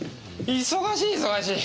忙しい忙しい！